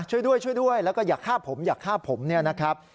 ช่วยด้วยช่วยด้วยแล้วก็อย่าฆ่าผมอยากฆ่าผมเนี่ยนะครับ